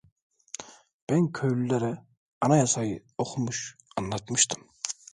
Ben köylülere Anayasa'yı okumuş, anlatmıştım.